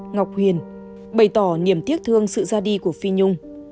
ngọc huyền bày tỏ niềm tiếc thương sự ra đi của phi nhung